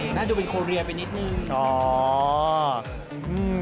หน้าดูเป็นโคเรียไปนิดนึง